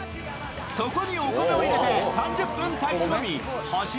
そこにお米を入れて、３０分炊き込み干し